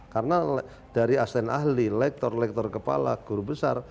karena dari aslin ahli lektor lektor kepala guru besar